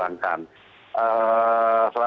jadi kita masih berpikir pikir